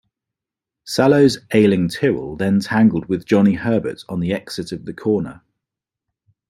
Salo's ailing Tyrrell then tangled with Johnny Herbert on the exit of the corner.